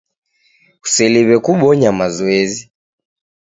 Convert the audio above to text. Kuseliw'e kubonya mazoezi.